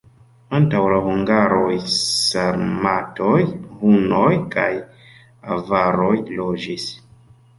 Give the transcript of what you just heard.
Antaŭ la hungaroj sarmatoj, hunoj kaj avaroj loĝis.